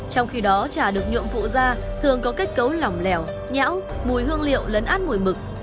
trong khi đó trả được nhuộm phụ ra thường có kết cấu lỏng lẻo nhão mùi hương liệu lấn át mùi mực